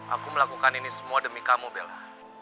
aku melakukan ini semua demi kamu bella